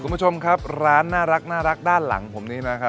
คุณผู้ชมครับร้านน่ารักด้านหลังผมนี้นะครับ